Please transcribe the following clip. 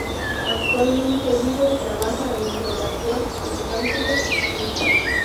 Actualmente vive y trabaja en Nueva York, Los Ángeles y París.